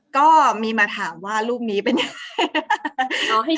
ก็มีมาถามว่ารูปนี้เป็นยังไง